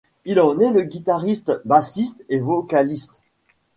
Il en est le guitariste, bassiste et vocaliste.